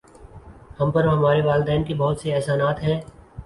ہم پر ہمارے والدین کے بہت سے احسانات ہیں